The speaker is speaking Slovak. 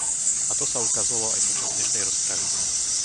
A to sa ukázalo aj počas dnešnej rozpravy.